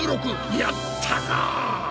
やったな！